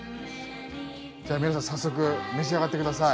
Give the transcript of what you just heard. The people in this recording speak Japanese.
じゃあ皆さん早速召し上がってください。